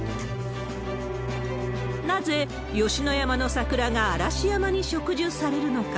なぜ吉野山の桜が嵐山に植樹されるのか。